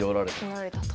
おられたと。